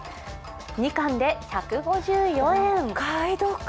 ２貫で１５４円。